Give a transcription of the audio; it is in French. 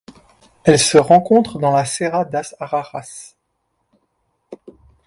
Elle se rencontre dans la Serra das Araras.